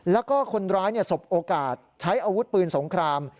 แล้วก็คนร้ายสบโอกาสใช้อาวุธปืนสงคราม